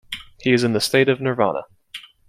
He is in the state of Nirvana.